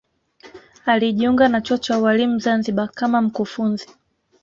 alijiunga na chuo cha ualimu zanzibar kama mkufunzi